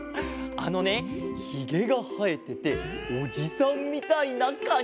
あのねヒゲがはえてておじさんみたいなカニ。